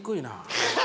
ハハハハ！